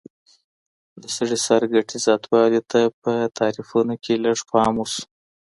د سړي سر ګټې زياتوالي ته په تعريفونو کي لږ پام وشو.